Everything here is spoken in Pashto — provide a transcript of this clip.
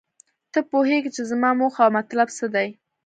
ته پوهیږې چې زما موخه او مطلب څه دی